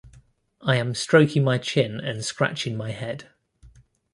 I am stroking my chin and scratching my head.